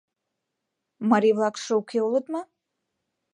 — Марий-влакше уке улыт мо?